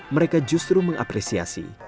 mereka justru mengapresiasi